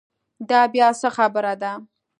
دا بیا څه خبره ده.